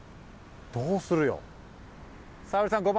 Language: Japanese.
どうするよ？